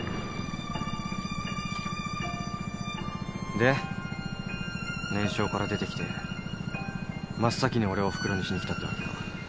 ・でネンショーから出てきて真っ先に俺をフクロにしにきたってわけか。